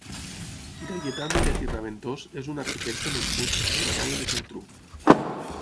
Gaietà Miret i Raventós és un arquitecte nascut a Vilanova i la Geltrú.